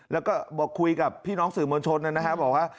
แล้วก็บอกคุยกับพี่น้องสื่อมวลชนนะครับบอกว่า